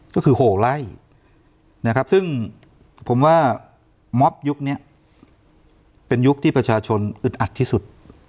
ก็คือ๖ไร่นะครับซึ่งผมว่าม็อบยุคนี้เป็นยุคที่ประชาชนอึดอัดที่สุด